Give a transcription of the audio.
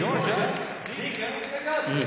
うん。